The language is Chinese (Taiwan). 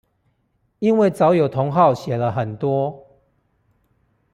因為早有同好寫了很多